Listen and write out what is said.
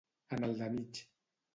En el de mig.